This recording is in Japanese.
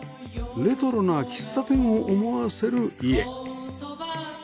レトロな喫茶店を思わせる家